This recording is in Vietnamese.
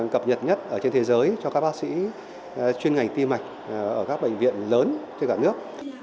cập nhật nhất trên thế giới cho các bác sĩ chuyên ngành tim mạch ở các bệnh viện lớn trên cả nước